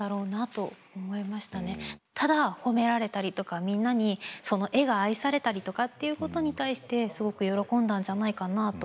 ただ褒められたりとかみんなにその絵が愛されたりとかっていうことに対してすごく喜んだんじゃないかなと思いました。